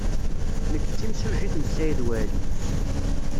Nekk d timsujjit n Saɛid Waɛli.